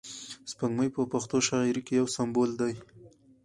سپوږمۍ په پښتو شاعري کښي یو سمبول دئ.